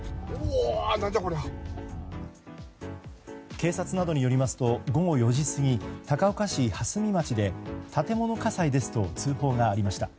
警察などによりますと午後４時過ぎ高岡市蓮見町で建物火災ですと通報がありました。